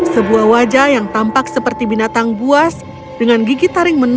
sebuah wajah yang tampak seperti binatang buas dengan gigi taring menana